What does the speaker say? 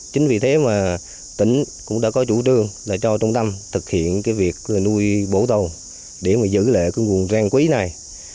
chính vì thế mà tỉnh cũng đã có chủ trương là cho trung tâm thực hiện cái việc nuôi bổ tồn để mà giữ lại cái nguồn gen quý này